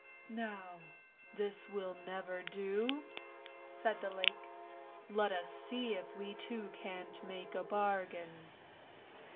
" Now, this will never do! " said the lake. " Let us see if we two can't make a bargain!